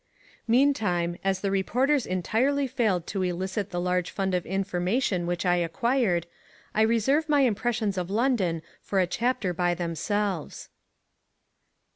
Meantime as the reporters entirely failed to elicit the large fund of information which I acquired, I reserve my impressions of London for a chapter by themselves.